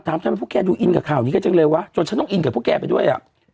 ทำไมพวกแกดูอินกับข่าวนี้ก็จังเลยวะจนฉันต้องอินกับพวกแกไปด้วยอ่ะ